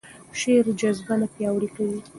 شعر جذبه نه پیاوړې کوي.